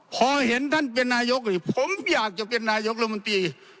พอเห็นท่านเป็นนายกนี่ผมอยากจะเป็นนายกรมนตรี